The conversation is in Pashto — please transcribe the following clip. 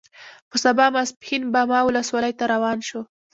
په سبا ماسپښین باما ولسوالۍ ته روان شوو.